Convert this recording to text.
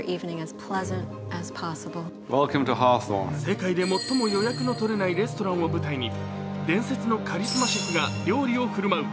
世界で最も予約の取れないレストランを舞台に伝説のカリスマシェフが料理を振る舞う。